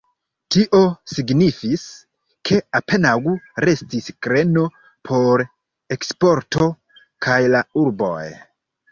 Tio signifis, ke apenaŭ restis greno por eksporto kaj la urboj.